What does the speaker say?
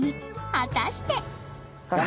果たして？